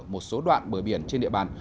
một số đoạn bờ biển trên địa bàn